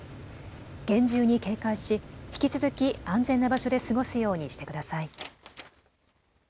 厳重に警戒し引き続き安全な場所で過ごすようにしてください。